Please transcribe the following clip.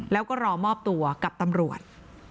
แล้วก็รอมอบตัวกับตำรวจ